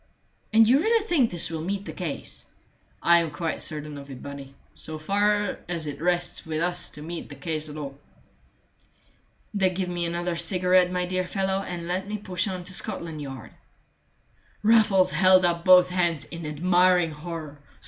"And you really think this will meet the case?" "I am quite certain of it, Bunny, so far as it rests wit us to meet the case at all." "Then give me another cigarette, my dear fellow, and let me push on to Scotland Yard." Raffles held up both hands in admiring horror.